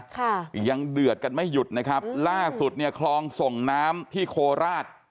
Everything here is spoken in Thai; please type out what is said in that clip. ค่ะยังเดือดกันไม่หยุดนะครับล่าสุดเนี่ยคลองส่งน้ำที่โคราช